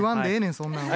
そんなんは。